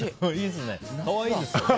可愛いですね。